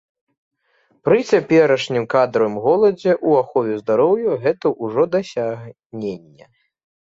Пры цяперашнім кадравым голадзе ў ахове здароўя гэта ўжо дасягненне.